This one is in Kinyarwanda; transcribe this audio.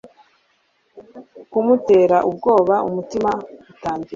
kumutera ubwoba umutima utangira